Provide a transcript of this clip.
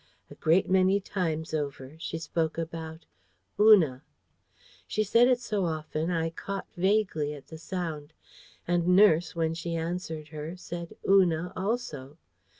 A great many times over, she spoke about "Una." She said it so often, I caught vaguely at the sound. And nurse, when she answered her, said "Una" also.